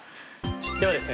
ではですね